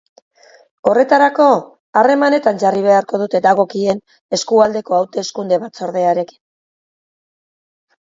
Horretarako, harremanetan jarri beharko dute dagokien eskualdeko hauteskunde-batzordearekin.